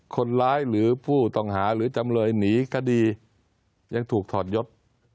คนร้ายหรือผู้ต้องหาหรือจำเลยหนีคดียังถูกถอดยศ